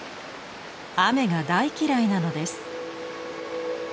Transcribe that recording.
雨が大嫌いなのです。